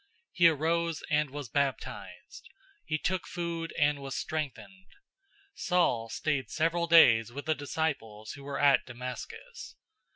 He arose and was baptized. 009:019 He took food and was strengthened. Saul stayed several days with the disciples who were at Damascus.